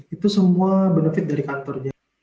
itu semua benefit dari kantornya